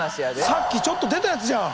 さっきちょっと出たやつじゃん！